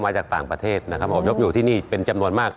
จากต่างประเทศนะครับอบยพอยู่ที่นี่เป็นจำนวนมาก